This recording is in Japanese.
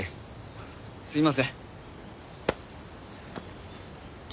あっすいません。